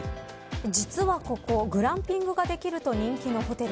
実は、ここグランピングができると人気のホテル。